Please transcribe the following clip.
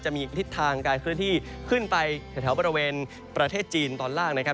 มีทิศทางการเคลื่อนที่ขึ้นไปแถวบริเวณประเทศจีนตอนล่างนะครับ